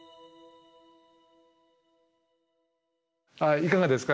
いかがですか？